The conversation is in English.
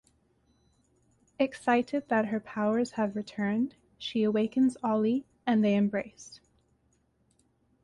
Excited that her powers have returned, she awakens Ollie, and they embrace.